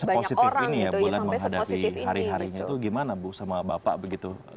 sepositif ini ya bulan menghadapi hari harinya itu gimana bu sama bapak begitu